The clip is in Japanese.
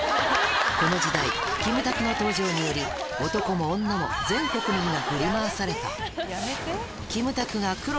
この時代、キムタクの登場により、男も女も全国民が振り回された。